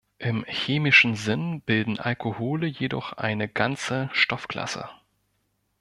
Im chemischen Sinn bilden Alkohole jedoch eine ganze Stoffklasse.